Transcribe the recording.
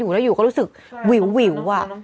อยู่แล้วอยู่ก็รู้สึกวิว